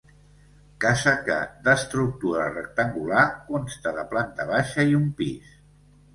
Casa que, d'estructura rectangular, consta de planta baixa i un pis.